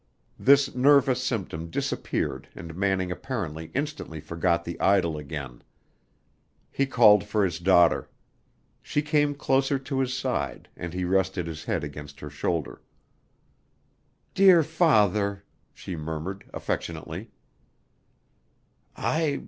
This nervous symptom disappeared and Manning apparently instantly forgot the idol again. He called for his daughter. She came closer to his side and he rested his head against her shoulder. "Dear father," she murmured affectionately.